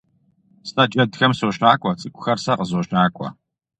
Сэ джэдхэм сощакӀуэ, цӀыхухэр сэ къызощакӀуэ.